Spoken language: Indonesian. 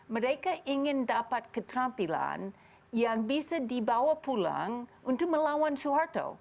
mereka ingin dapat keterampilan yang bisa dibawa pulang untuk melawan soeharto